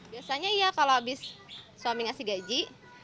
biasanya ya kalau abis suami ngasih gaji